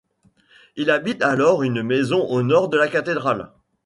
Il habite alors une maison au nord de la cathédrale.